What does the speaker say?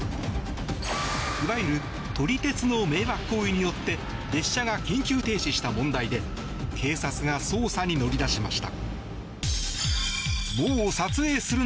いわゆる撮り鉄の迷惑行為によって列車が緊急停止した問題で警察が捜査に乗り出しました。